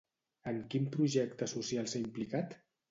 En quin projecte social s'ha implicat?